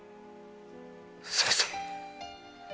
先生。